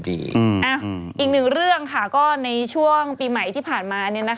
อีกหนึ่งเรื่องค่ะก็ในช่วงปีใหม่ที่ผ่านมา